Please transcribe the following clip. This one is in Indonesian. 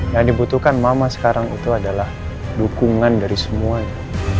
yang dibutuhkan mama sekarang itu adalah dukungan dari semuanya